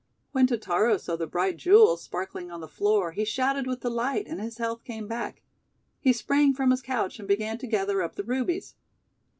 When Totaro saw the bright jewels spark ling on the floor, he shouted with delight, and his health came back. He sprang from his couch and began to gather up the Rubies.